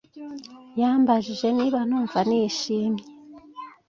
yambabajije niba numv nishimye